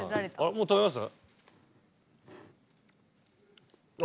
もう食べます？